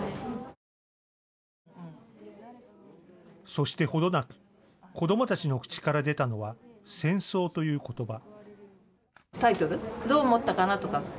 そしてほどなく子どもたちの口から出たのは戦争ということば。